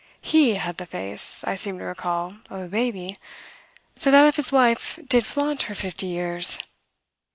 He had the face, I seem to recall, of a baby; so that if his wife did flaunt her fifty years